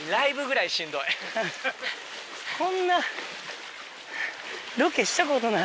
こんなロケしたことない。